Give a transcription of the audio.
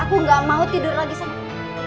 aku gak mau tidur lagi sama kamu